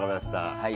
はい。